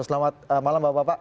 selamat malam bapak bapak